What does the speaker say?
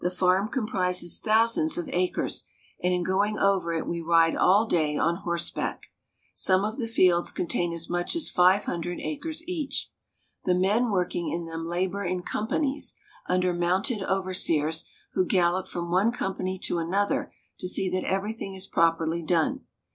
farm comprises thousands of acres, and in going over it we ride all day on horseback. Some of the fields contain as much as five hundred acres each. The men working in them labor in companies, under mounted overseers, who gallop from one company to another to see that everything is properly done.